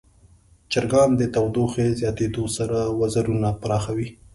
چرګان د تودوخې زیاتیدو سره وزرونه پراخوي.